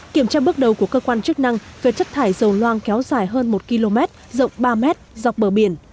kiểm tra bước đầu của cơ quan chức năng về chất thải dầu loang kéo dài hơn một km rộng ba m dọc bờ biển